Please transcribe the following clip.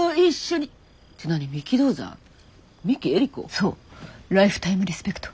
そうライフタイムリスペクト。